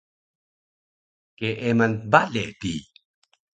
Keeman bale di